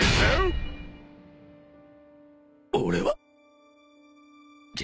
俺は